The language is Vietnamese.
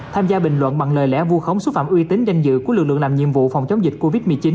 tham gia bình luận bằng lời lẽ vu khống xúc phạm uy tín danh dự của lực lượng làm nhiệm vụ phòng chống dịch covid một mươi chín